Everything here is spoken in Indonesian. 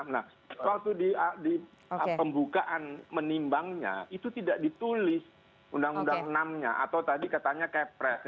nah waktu di pembukaan menimbangnya itu tidak ditulis undang undang enam nya atau tadi katanya kepres